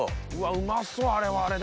うまそうあれはあれで。